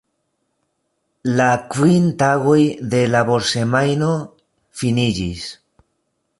La kvin tagoj de laborsemajno finiĝis.